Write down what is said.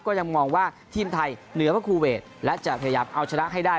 ก็ยังมองว่าทีมไทยเหนือพระคูเวทและจะพยายามเอาชนะให้ได้